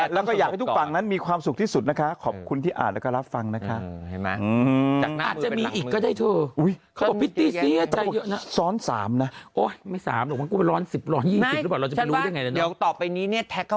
แล้วก็อยากให้ทุกฝั่งนั้นมีความสุขที่สุดนะคะขอบคุณที่อ่านแล้วก็รับฟังนะคะ